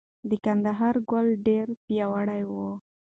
د کندهار کلا ډېره پیاوړې وه.